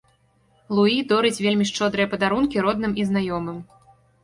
Луі дорыць вельмі шчодрыя падарункі родным і знаёмым.